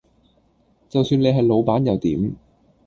就算你係老闆又點